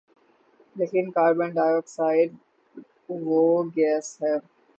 لیکن carbon dioxide وہ gas ہے